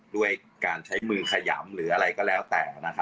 ด้วยการใช้มือขยำหรืออะไรก็แล้วแต่